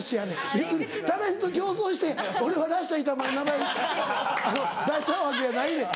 別にタレント競争して俺はラッシャー板前の名前出したわけやないねん。